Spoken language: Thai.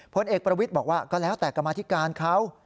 ผลเอกประวิทย์บอกว่าก็แล้วแต่กรรมธิการเขา